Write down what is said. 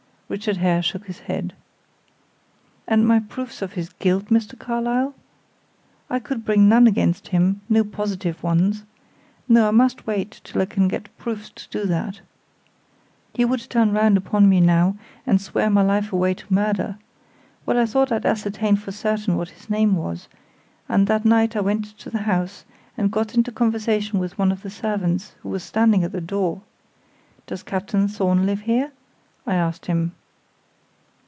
Richard Hare shook his head. "And my proofs of his guilt, Mr. Carlyle? I could bring none against him no positive ones. No, I must wait till I can get proofs to do that. He would turn round upon me now and swear my life away to murder. Well, I thought I'd ascertain for certain what his name was, and that night I went to the house, and got into conversation with one of the servants, who was standing at the door. 'Does Captain Thorn live here?' I asked him.